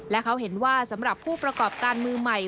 และเขาเห็นว่าสำหรับผู้ประกอบการมือใหม่